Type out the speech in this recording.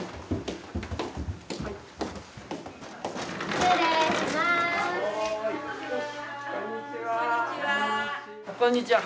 こんにちは。